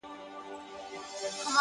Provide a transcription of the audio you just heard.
ستا دهر توري په لوستلو سره؛